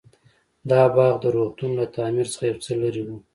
دا باغ د روغتون له تعمير څخه يو څه لرې و.